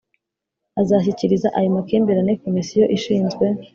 azashyikiriza ayo makimbirane Komisiyo ishinzwe